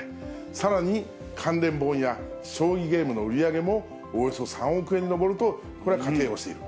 さらに関連本や将棋ゲームの売り上げもおよそ３億円に上ると、これは仮定をしている。